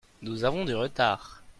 Nous avons du retard.